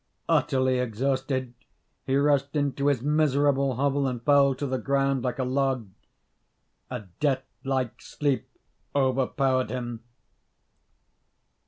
Utterly exhausted, he rushed into his miserable hovel and fell to the ground like a log. A death like sleep overpowered him.